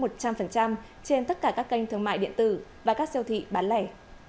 trên tất cả các kênh thương mại điện tử và các siêu thị bán lẻ